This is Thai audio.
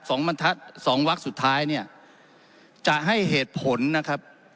บรรทัศน์สองวักสุดท้ายเนี่ยจะให้เหตุผลนะครับ